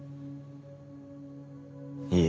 いいえ。